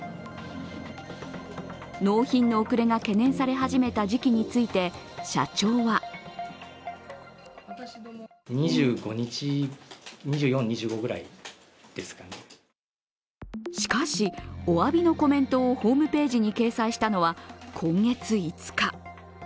納品の遅れが懸念され始めた時期について、社長はしかしおわびのコメントをホームページに掲載したのは今月５日。